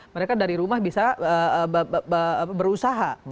mereka dari rumah bisa berusaha